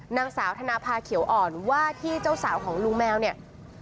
นางสาวธนภาเขียวอ่อนว่าที่เจ้าสาวของลุงแมวเนี่ย